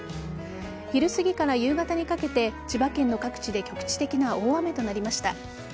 昼すぎから夕方にかけて千葉県の各地で局地的な大雨となりました。